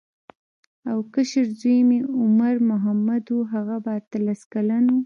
او کشر زوی مې عمر محمد و هغه به اتلس کلن و.